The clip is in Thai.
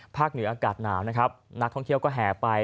เหนืออากาศหนาวนะครับนักท่องเที่ยวก็แห่ไป